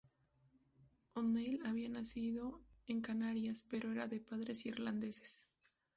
O'Neill había nacido en Canarias, pero era de padres irlandeses.